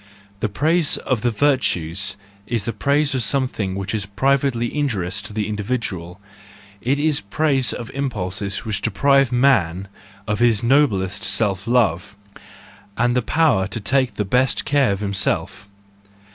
The praise of the virtues is the praise of something which is privately injurious to the individual; it is praise of impulses which deprive man of his noblest self love, and the power to take the best care of himself.